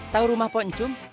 tahu rumah poncum